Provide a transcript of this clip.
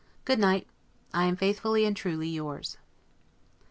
Good night. I am faithfully and truly yours.